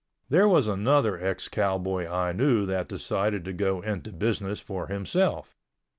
There was another ex cowboy I knew that decided to go into business for himself.